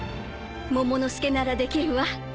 モモの助ならできるわ。